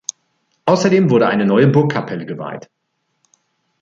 Außerdem wurde eine neue Burgkapelle geweiht.